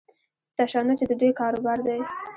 تشنج د دوی کاروبار دی.